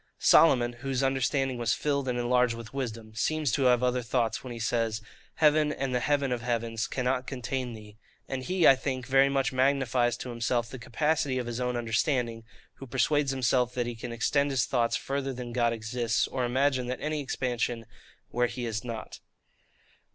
Solomon, whose understanding was filled and enlarged with wisdom, seems to have other thoughts when he says, 'Heaven, and the heaven of heavens, cannot contain thee.' And he, I think, very much magnifies to himself the capacity of his own understanding, who persuades himself that he can extend his thoughts further than God exists, or imagine any expansion where He is not.